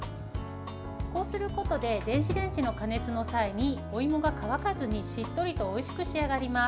こうすることで電子レンジの加熱の際においもが乾かずにしっとりとおいしく仕上がります。